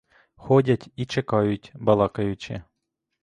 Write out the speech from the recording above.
Ходять і чекають балакаючи.